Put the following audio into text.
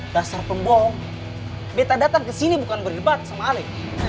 dasar pembohong beta datang kesini bukan berdebat sama ale